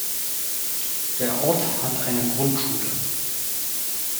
Der Ort hat eine Grundschule.